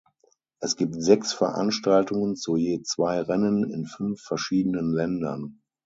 Es gibt sechs Veranstaltungen zu je zwei Rennen in fünf verschiedenen Ländern.